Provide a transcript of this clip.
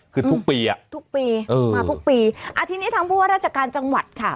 คือทุกปีอ่ะทุกปีเออมาทุกปีอ่าทีนี้ทางผู้ว่าราชการจังหวัดค่ะ